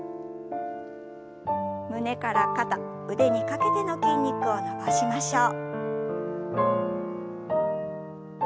胸から肩腕にかけての筋肉を伸ばしましょう。